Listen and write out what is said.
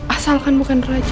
asalkan bukan raja